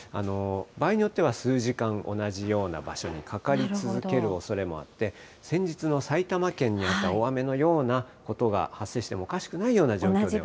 場合によっては数時間、同じような場所にかかり続けるおそれもあって、先日の埼玉県であった大雨のようなことが発生してもおかしくないような状況に。